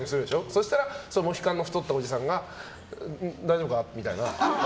そうしたらモヒカンの太ったおじさんが大丈夫か？みたいな。